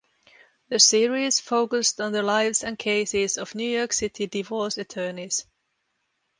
The series focused on the lives and cases of New York City divorce attorneys.